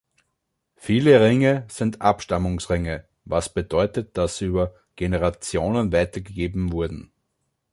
Viele Ringe sind „Abstammungsringe“, was bedeutet, dass sie über Generationen weitergegeben wurden.